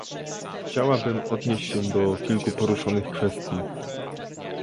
Chciałabym odnieść się do kilku poruszonych kwestii